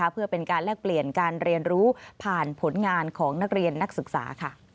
เพื่อเป็นการแลกเปลี่ยนการเรียนรู้ผ่านผลงานของนักเรียนนักศึกษา